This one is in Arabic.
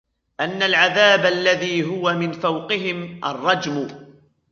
أَنَّ الْعَذَابَ الَّذِي هُوَ مِنْ فَوْقِهِمْ الرَّجْمُ